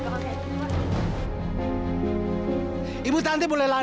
vastu saja bersikap luat besar